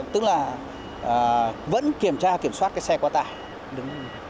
tức là vẫn kiểm tra kiểm soát cái xe quá tải